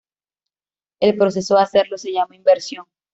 El proceso de hacerlo se llama inversión.